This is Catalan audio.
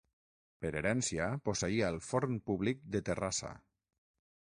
Per herència posseïa el forn públic de Terrassa.